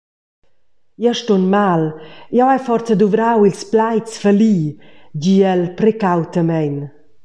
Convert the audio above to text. «Jeu stun mal, jeu hai forsa duvrau ils plaids falli», di el precautamein.